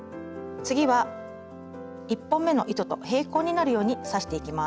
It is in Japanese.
次は１本目の糸と平行になるように刺していきます。